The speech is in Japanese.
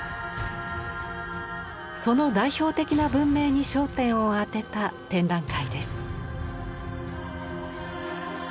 その代表的な文明に焦点を当てた展覧会です。